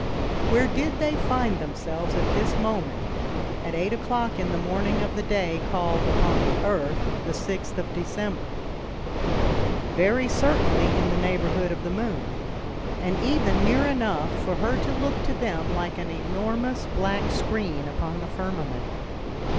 Where did they find themselves at this moment, at eight o'clock in the morning of the day called upon the earth the 6th of December? Very certainly in the neighborhood of the moon, and even near enough for her to look to them like an enormous black screen upon the firmament.